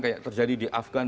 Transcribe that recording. kayak terjadi di afgan